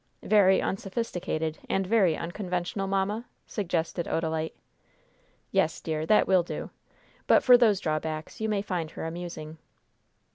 "Very unsophisticated and very unconventional, mamma?" suggested Odalite. "Yes, dear, that will do. But for those drawbacks, you may find her amusing."